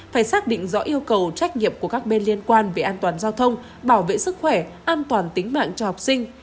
phải xác định rõ yêu cầu trách nhiệm của các bên liên quan về an toàn giao thông bảo vệ sức khỏe an toàn tính mạng cho học sinh